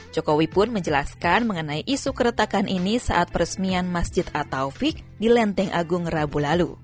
jokowi pun menjelaskan mengenai isu keretakan ini saat peresmian masjid at taufik di lenteng agung rabu lalu